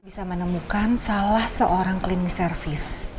bisa menemukan salah seorang klinik servis